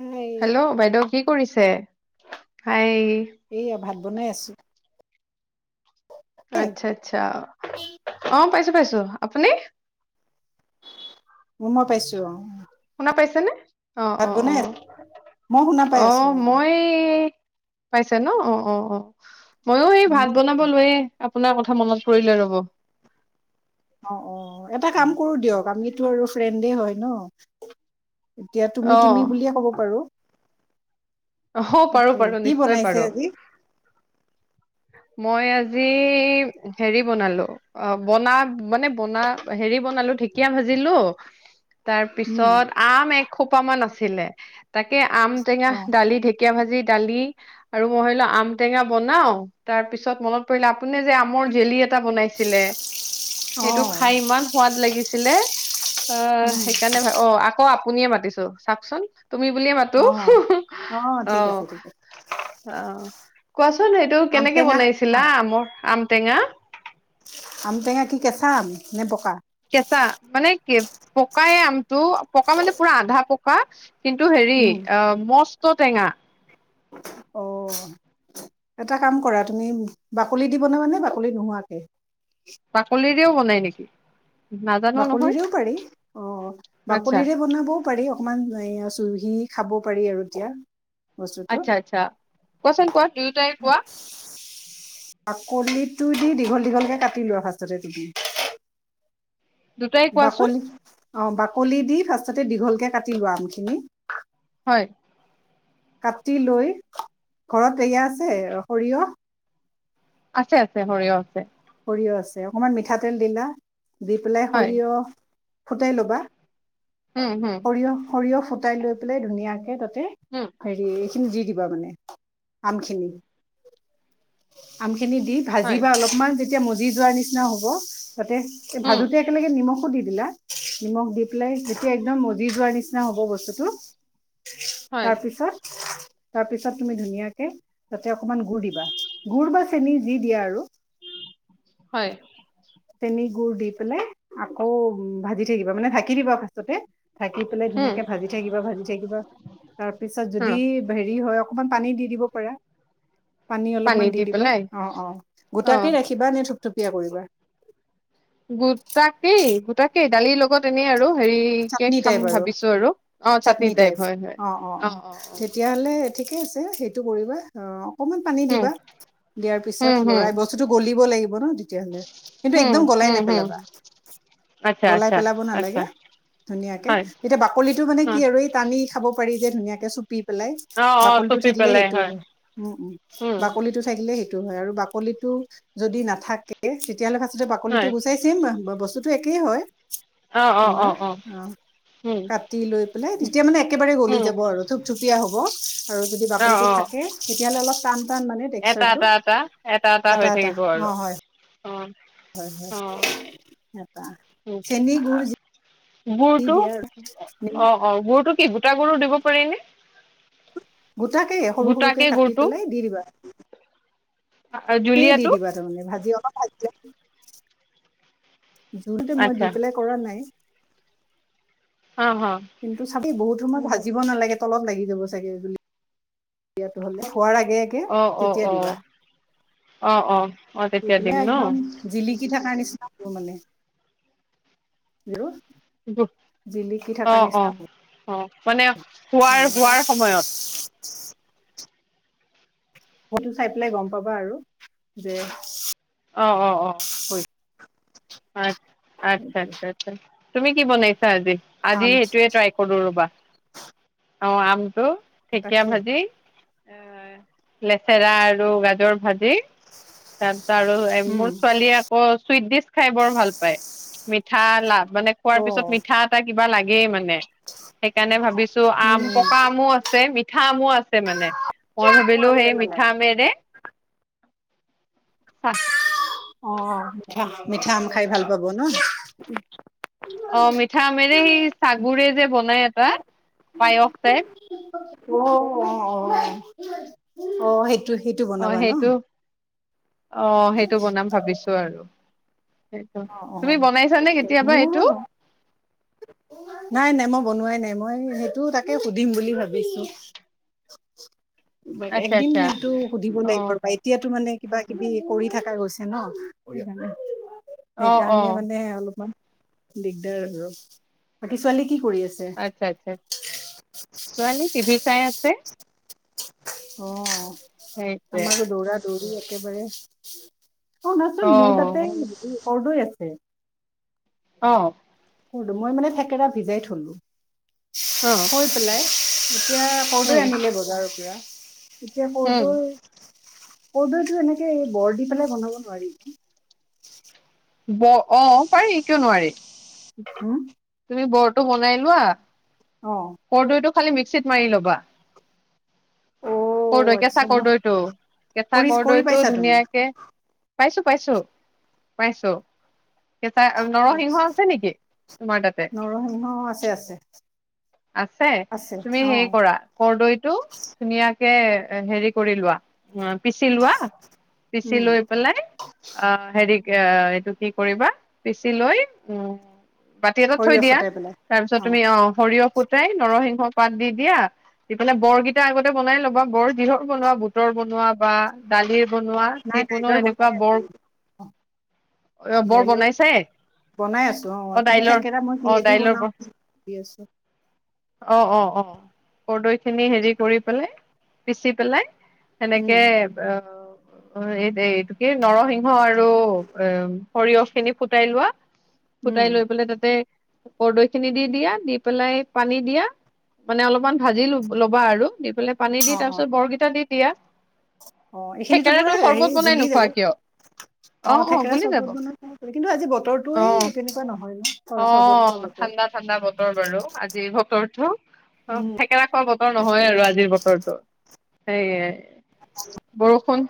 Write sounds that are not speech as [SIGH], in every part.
হাই hello বাইদেউ কি কৰিছে হাই [UNINTELLIGIBLE] এইয়া ভাদ বনাই আছো এ আচ্ছা আচ্ছা অ পাইছো পাইছোঁ আপুনি উম, মই পাইছো। পাইছে নে? অ' ভাত বনাই অ'অ' আছো মই শুনা পাই আছো অ' মই পাইছে ন, অ' অ' অ' ময়ো সেই উম ভাত বনাব লৈয়ে আপোনাৰ কথা মনত পৰিলে ৰ'ব অ' অ' এটা কাম কৰো দিয়ক, আমিতো আৰু ফ্ৰেণ্ডে হয় ন, এতিয়া তুমি অ তুমি বুলিয়ে ক'ব পাৰো অঁহ পাৰো তাকে পাৰো কি নিশ্চয় বনাইছে পাৰো। আজি মই আজি হেৰি বনালো অঁ বনা মানে বনা হেৰি বনালো ঢেকীয়া ভাজিলো উম তাৰপিছত আম এক এসোপামান আছিলে তাকে আম টেঙা অ দালি ঢেকিয়া কীয়া ভাজি দালি আৰু মই ধৰি লোৱা আম টেঙা বনাওঁ তাৰ পিছত মনত পৰিল, আপুনি যে আমৰ জেলি এটা বনাইছিলে অ সেইটো খাই ইমান সোৱাদ লাগিছিলে। অঁ উম সেইকাৰণে অঁ আকৌ আপুনিও মাতিছো চাওচোন, তুমি বুলিয়ে মাতো অ অ ঠিক আঁহ আছে ঠিক আছে আঁহ কোৱাচোন এইটো আম কেনেকে টেঙা বনাইছিলা আমৰ আম টেঙা আমটেঙা কি কেঁচা আমি নে পকা কেঁচা মানে পকাইে আমটো পকা মানে পুৰা আধা পকা কিন্তু হেৰি অঁ ম ত টেঙা। অঁ এটা কাম কৰা তুমি বাকলি দিব ন মানে বাকলি নোহোৱাকে বাকলিৰ ও বনাই নেকি নাজানো নহয় বাকলিৰেও পাৰি, অঁ' আচ্ছা বাকলিৰে বনাবওঁ পাৰি, অকনমান চুহি খাব পাৰি আৰু এতিয়া বস্তুটো আচ্ছা আচ্ছা কোৱাচোন কোৱা দুয়োটাই কোৱা তুই দি দীঘল দীঘলকে কাটি লোৱা, ফ্ৰাষ্টতে ত দি দুটাই কোৱাচোন বাকলি অঁ বাকলি দি ফাৰ্ষ্ট তে দীঘলকৈ কাটি লোৱা আমখিনি হয়, কাটি লৈ, ঘৰত এয়া আছে। সৰিয়হ আছে, আছে সৰিয়হ আছে আছে অকমান মিঠাতেল দিলা দি পেলাই হয় সৰিয়হ ফুটাই ল'বা। উম হম সৰিয়হ, সৰিয়হ ফুটাই লৈ পেলাই ধুনীয়াকে ত উম হেৰি দিব মানে আম খিনি খিনি দি ভাজি হয় বা অলপমান এতিয়া মদি যোৱাৰ নিচিনা হ'ব তাতে উম ভাজোতে একেলগে নিমখ ো দি দিলা নিমখ দি পেলাই যেতিয়া একদম মজি যোৱাৰ নিচিনা হ'ব বস্তুটো হয় তাৰপিছত তাৰ পিছত তুমি ধুনীয়াকে তাতে অকমান গুড় দিবি, গুড় বা চেনি যি দিয়া আৰু [INAUDIBLE] চেনি গুডুৰ দি পেলাই আকৌ ভাজি থাকিবা, মানে ঢাকি দিব ফ্ৰাষ্টতে থাকি পেলাই উম ধুনীয়াকে ভাজি থাকিব ভাজি থাকিবা তাৰ পিছত উম যদি হেৰি হয় অকমান পানী দি দিব পাৰা, পানী অলপমান দি দিবা। অ' অ অ'গোটাকে ৰাখিবা নে থু তুপীয়া কৰিবা? গোটাকেই গোটাকেই দালিৰ লগত এনেই আৰু হেৰি কে চাটনি টাইপ খাম আৰু ভাবিছো আৰু চাটনি টাইপ অ অ অ তেতিয়াহ'লে ঠিকে আছে সেইটো কৰিবা অ অকমান পানী উম দিবা, দিয়াৰ পিছত হুম হুম লৰাই বস্তুতটো গলিব লাগিব, [INAUDIBLE] তেতিয়াহলে কিন্তু হুম একদম গলাই হুম হুম নেপেলাবা আচ্ছা গলাই আচ্ছা পেলাব আচ্ছা নালাগে ধুনীয়াকে হয় তেতিয়া বাকলিটো মানে অ টানি খাব পাৰি যে ধুনীয়াকে চুপ পি পেলাই অ অ বাকলিটো চুপি থাকিলে পেলাই সেইটো হয়। উ উ উম বাকলিটো থাকিলে সেইটো হয় আৰু, বাকলিটো যদি নাথাকে তেতিয়া হলে ফ্ৰাষ্টতে বাকলিতো হয় গুচাই বস্তুতো টো একেই হয় অ' অ' অ' অ' কাটি লৈ পেলাই তেতিয়া মানে একেবাৰে গলি উম যাব আৰু তিয়া হ'ব। আৰু যদি অ বাকলিটো অ থাকে তেতিয়াহ'লে অলপ টান টান মানে এটা, টেক্সাৰটো এটা, এটা, এটা, এটা হৈ থাকিব আৰু। অ হয় হয় অ উম, চেনিগুড গুৰটো, অ, অ, গুৰটো কি গোটা গুৰউ দিব পাৰি, নে? গোটাকে, সৰু, গোটাকে সৰুকে কাটি গুৰটো পেলাই, দি দিবা। স দি জুলীয়াটো দিবা তাৰমানে ভাজি অহ ', [UNINTELLIGIBLE] জোনতে, মই আচ্ছা দি পেলাই কৰা নাই। হা', -হা', এই বহুত সময় ভাজিব নালাগে তলত লাগি যাব চাগে দিয়টো হ'লে কোৱাৰ আগে -আগে তেতিয়া দিবা। অহ - অহ স একদম জিলি কিঠ কাৰ নিচিনা মানে জোৰ। অহ ', - অহ হ'ব ', - অহ ', মানে শোৱাৰ মানে এটা হোৱাৰ সময়ত। সেইটো চাই পেলাই, গম পাবা আৰু যে অহ ', - অহ ', - অহ ', হৈ আ - আচ্ছা- সেইটোৱে আচ্ছা - আচ্ছা তুমি কি, বনাইছা আজি? আজি আম সেইটোয়ে ট্ৰাই কৰো ৰবা? অহ ', আম। টো, ঢেকীয়া তাকে ভাজি। অহ ', লেচেৰা আৰু গাজৰ ভাযি তাৰপিছত আৰু মোৰ উম ছোৱালীয়ে আকৌ চুইট দিছ খাই বৰ ভাল পায়, মিঠা লাভ মানে খোৱাৰ অ পিছত মিঠা এটা। কিবা লাগেই মানে। সেইকাৰণে ভাবিছো, উম আম উম পকা আমো আছে, মিঠা আমো আছে, মানে মই মোৰ ভাবিলো আছে সেই মানে মিঠা আমেৰে, চাত অহ ', মিঠা- মিঠা আম খাই, ভাল পাব ন। উম', অহ ', মি মিঠা আমৰে, সেই চাগুৰে যে, বনাই এটা, পায়স টাইপ অ অ -অ সেইটো সেইটো অ' বনাবা ন সেইটো অ সেইটো বনাম ভাবিছো আৰু সেইটো অ, অ, অ, তুমি বনাইছানে তাকে কেতিয়াবা মোৰো এইটো হয়, নাই, নাই, মই বনোৱাই নাই, মই সেইটো, তাকে সুধিম বুলি ভাবিছো। আচ্ছা একদিন আচ্ছা নাইতটো সুধিব অ লাগিব, ৰবা এতিয়াতো মানে কিবাকে। কিবি কৰি, থকা গৈছে ন, কৰি অ অ সেইকাৰণে মানে অলপমান। দিগদাৰ আৰু বাকী ছোৱালী কি কৰি আছে আচ্ছা আচ্ছা ছোৱালী কি ভি কাই ছে [UNINTELLIGIBLE] অ 'আমাকো দৌৰা। দৰি একে বাৰে অ, তাৰপিছত অ মোৰটাতে আহিবি। কৰ্দৈ আছে। অ। মই মানে থেকেৰা ভিজাই থলো। উম শই, পেলাই। এতিয়া কৰ্দৈ উম আনিলে বজাৰৰ পৰা [INAUDIBLE] এতিয়া উম মোৰটো। কৰ্দৈ টো এনেকে বৰ দি পেলাই বনাব নোৱাৰিব। ব, অ, পাৰি, কিয় নোৱাৰি। হম? তুমি বৰটো বনাই লোৱা। অ ব কৰ্দৈটো। খালি মিক্সিত মাৰি ল'বা। অ কৰ্দৈ কেঁচা আচ্ছা মই কৰ্দৈটো কেঁচা কৰি কৰি কৰ্দৈটো পাইছা তুমি ধুনীয়াকে পাইছো পাইছো পাইছো। কেঁচা আৰু নৰসিংহও আচ্ছা আছে নেকি তোমাৰ তাতে। নৰসিংহ আছে আছে আছে তুমি হে কৰা কৰদৈটো ধুনীয়াাক হেৰি কৰি লোৱা অ। পিচি লোৱা পিচি উম লৈ পেলাই অ হেৰি এ এইটো কি কৰিবা পিচি লৈ উম বাতি এটাত থৈ সৰিয়হ দিয়া ছটাই পেলাই তাৰপিছত তুমি অ সৰিয়হ। ফুটাই নৰসিংহ পাত দি দিয়া দি পিনে বৰকেইটা আগতে বনাই ল'বা বৰ যিহৰ বনোৱা বুটৰ বনোৱা বা দালিৰ বনোৱা নাই যিকোনো এনেকুৱা বৰ অ বৰ দাইলত বনাইছাই বনাই আছো অঁ অ কিন্তু দাইলৰ থেকেৰা মই অ কিহেদি বনাও ভাবি আছো অঁ অঁ অঁ কৰ্দৈ খিনি হেৰি কৰি পেলাই পিচি পেলাই। সেনেকে উম অ অঁ এইদে এইটোকি নৰসিংহ আৰু অ সৰিয়হ খিনি ফুটাই লোৱা উম ফুটাই লৈ পেলাই তাতে। কৰ্দৈ খিনি দি দিয়া দি পেলাই পানী দিয়া মানে অলপমান ভাজি ল ল'বা আৰু দি পেলাই পানী দি তাৰ পিছ বৰকিটা দি। দিয়া অঁ এইখিনিতো পুৰা থেকেৰাটো হেৰি চৰ্বত বনাই গলিয়ে যাব নোখোৱা কিয় অ অ অ থেকেৰা গুলি চৰ্বত যাব বনাই কিন্তু আজি অ বতৰটোৱেই তেনেকুৱা নহয় ন অ চৰ্বত খোৱা ঠাণ্ডা ঠাণ্ডা বাৰু বতৰ আজিৰ বতৰটো অঁ উম থেকেৰাা খোৱা বতৰ নহয় তাকে আৰু আজিৰ বতৰটো সেই বৰষুণ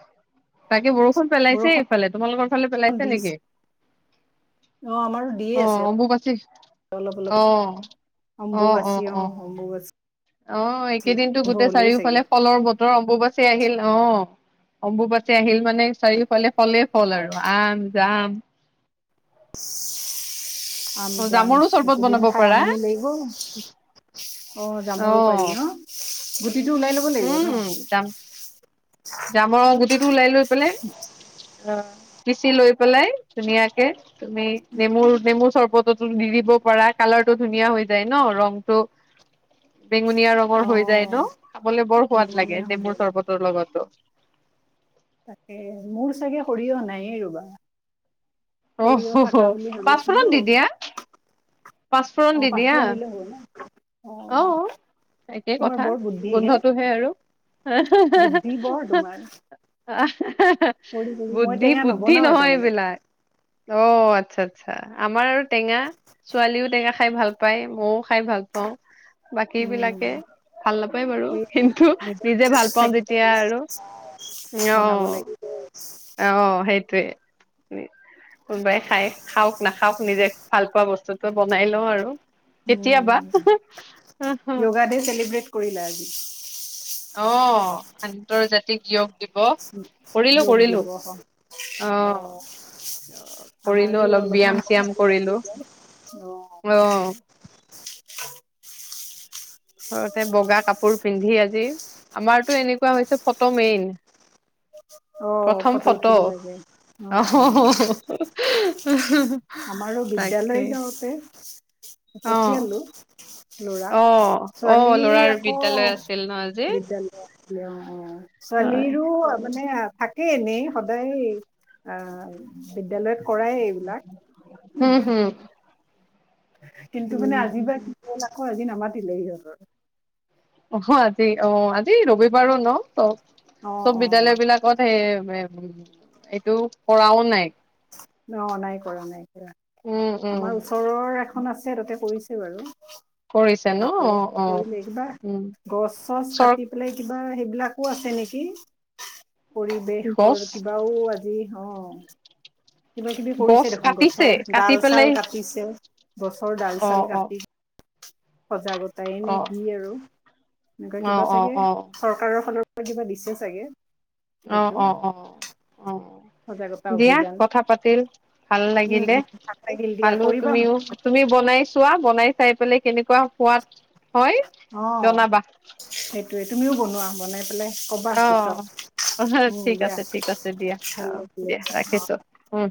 তাকে বৰষুণ পেলাইছে বৰষুণ এইফালে তোমালোকৰ ফালে পেলাইছে দিছে নেকি অ আমাৰো দিয়ে অঁ আছে অম্বুবাচী অলপ অলপ অঁ অঁ অঁ অম্বুবাচী অ অঁ অম্বুবাচী অঁ এইকেইদিনতো আৰম্ভ গোটেই হ'লেই চাগে চাৰিওফালে ফলৰ বতৰ তৰ অম্বুবাচী আহিল অঁ অম্বুবাচী আহিল মানে চাৰিওফালে ফলে ফল আৰু আম। অঁ [INAUDIBLE] আম অ যাম জামৰো চৰ্বত এইকেইদিন বনাব খাই পাৰা আমনি লাগিব অ জামৰো পাৰি ন। গুটিটো ওলাই ল'ব লাগিব ন উম জাম জাম গুটিটো টো ওলাই লৈ। [UNINTELLIGIBLE] পিচি লৈ পেলাই ধুনীয়াকে তুমি নেমু নেমুৰ চৰ্বততো দি দিব পাৰা কালাৰটো ধুনীয়া হৈ যায় ন ৰংটো বেঙুনীয়া ৰঙৰ অ হৈ যায় ন খাবলৈ বৰ সোৱাদ লাগে নিমুনীয়া হ'ব নেমুৰ চৰ্বতৰ লগতো তাকে মোৰ চাগে সৰিহ নায়েই ৰ'বা অ সৰিয়হ হ হ থাকা বুলি ভাবিছিলো পাছফুৰন দি দিয়া। অ পাঁচফুৰণ দি দিয়া পাঁচফোৰণ দিলে হ'ব ন অ একে তোমাৰ কথা বৰ বুদ্ধি হে গোন্ধটোহে আৰু। বুদ্ধি বৰ তোমাৰ [INAUDIBLE] আ কৰি কৰি মই বুদ্ধি টেঙা বুদ্ধি নবনাওৱে নহয় তাৰমানে এইবিলাক। অ', আচ্ছা আচ্ছা আমাৰ আৰু টেঙা ছোৱালীও টেঙা খাই ভাল পায় মইয়ও খাই ভাল। বাকী বিলাকে উম ভাল নাপায় বাৰু সেই কিন্তু নিজৰ নিজে ভাল এক্সপিৰিয়েঞ্চ পাওঁ যেতিয়া আৰু থাকিলে উ অ বনাব লাগিব আহ সেইটোৱে উ। কোনোবাই খাই খাওক নাখাওক নিজে ভাল পোৱা বস্তুত। ত বনাই লওঁ আৰু। কেতিয়াবা উম য়োগা ডে চেলিব্ৰেট [INAUDIBLE] অ আন্তৰ্জাতিক য়োগ। যোগ দিব অ অ আহ কৰিলো আমাৰো অলপ ব্যায়াম অলপমান চিয়াম কৰিলো আহ অ ঘৰতে বগা কাপোৰ পিন্ধি আজি আমাৰতো এনেকুৱা হৈছে ফটো মেইন অ প্ৰথম ফটো উঠিব লাগে অ অ আহ আমাৰো বিদ্যালয় যওতে। অ পঠিয়ালো লৰাক অ অ ছোৱালীৰ ল'ৰাৰ আকৌ বিদ্যালয় আছিল ন আজি বিদ্যালয়ত আ অ অ হয় ছোৱালীৰো মানে। থাকে এনে সদায় আহ বিদ্যালয়ত কৰায় এইবিলাক। উম হম কিন্তু মানে আজি উম বা আ ক দি নমাটিলে এই হ অ আজি অ আজি ৰবিবাৰো ন চ অ', চব অ'। বিদ্যালয় বিলাকত হে এইটো কৰাও নাই ন নাই কৰা নাই উম উম আমাৰ ওচৰৰ এখ খন আছে তাতে কৰিছে বাৰু। কৰিছে ন তাতে অ অ কৰিলে কিবা উম গছ চছ চৰ কাটি পেলাই বা সেইবিলাকো আছে নেকি! গছ পৰিৱেশৰ কিবাও আজি অ'। [INAUDIBLE] কিবা কিবি গছ কৰিছে দেখোন কাটিছে গছৰ কাটি ডাল চাল পেলাই কাটিছে গছৰ ডাল অ চাল অ কাটি সজাগতাই নে অ কি আৰু, এনেকুৱা অ কিবা অ অ চাগে চৰকাৰৰ ফালৰ [UNINTELLIGIBLE] কিবা দিছে ছাগে? অ' অ' অ', অ'। সজাগতা দিয়া অভিযান কথা পাতিল ভাল উম লাগিলে উম ভাল লাগিল দিয়া পালো কৰিবা তুমিও তুমিও বনাই চোৱা বনাই চাই পেলে কেনেকুৱা সোৱাদ হয় অ' জনাবা সেইটোয়ে, তুমিও বনোৱা বনাই পেলাই কবা পিছত অ' [UNINTELLIGIBLE] উম ঠিক দিয়া আছে ঠিক আছে দিয়া ভাল অ' লাগিলে দিয়া অ ৰাখিছো উম।